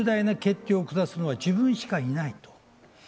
重大な決定を下すのは自分しかいないと。